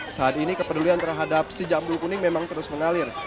saat ini kepedulian terhadap si jambul kuning memang terus mengalir